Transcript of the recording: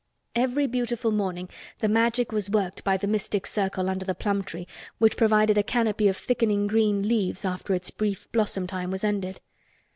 Every beautiful morning the Magic was worked by the mystic circle under the plum tree which provided a canopy of thickening green leaves after its brief blossom time was ended.